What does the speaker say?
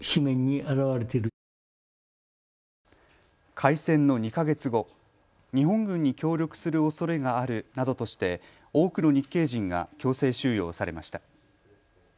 開戦の２か月後、日本軍に協力するおそれがあるなどとして多くの日系人が強制収容されました。